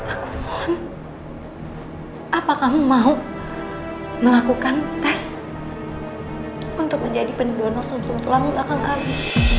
aku mohon apa kamu mau melakukan tes untuk menjadi pendonor sumsim tulang belakang abi